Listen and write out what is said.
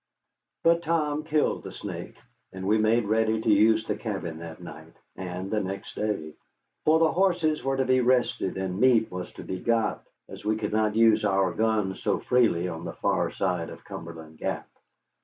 But Tom killed the snake, and we made ready to use the cabin that night and the next day. For the horses were to be rested and meat was to be got, as we could not use our guns so freely on the far side of Cumberland Gap.